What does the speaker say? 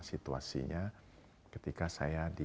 situasinya ketika saya